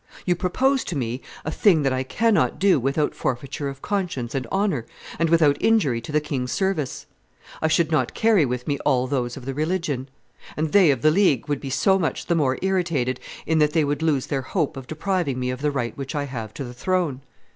You propose to me a thing that I cannot do without forfeiture of conscience and honor, and without injury to the king's service. I should not carry with me all those of the religion; and they of the League would be so much the more irritated in that they would lose their hope of depriving me of the right which I have to the throne.